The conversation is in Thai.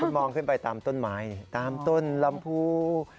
คุณมองขึ้นไปตามต้นไม้ตามต้นลำพู